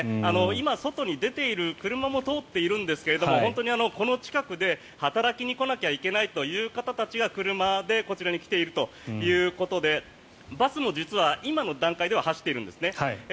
今、外に出ている車も通っているんですが本当にこの近くで働きに来なきゃいけないという方が車でこちらに来ているということでバスも実は今の段階では走っているんですね。